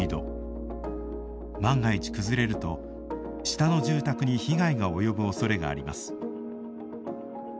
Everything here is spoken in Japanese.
万が一崩れると下の住宅に被害が及ぶおそれがあります。